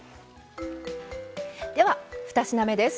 では２品目です。